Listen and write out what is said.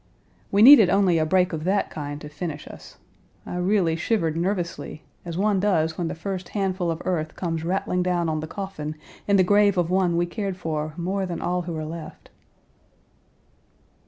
We needed only a break of that kind to finish us. I really shivered nervously, as one does when the first handful of earth comes rattling down on the coffin in the grave of one we cared for more than all who are left.